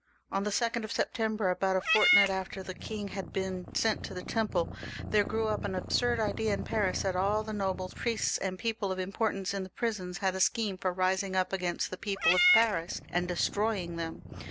On the 2d of Sep tember, about a fortnight after the king had been sent to the Temple, there grew up an absurd idea in Paris that all the nobles, priests, and people of importance in the prisons had a scheme for rising up against the people of Paris and destroying them.